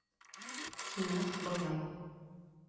Тимәк, былай...